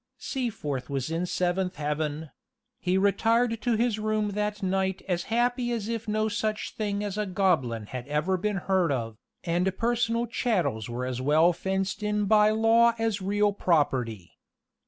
Seaforth was in the seventh heaven; he retired to his room that night as happy as if no such thing as a goblin had ever been heard of, and personal chattels were as well fenced in by law as real property.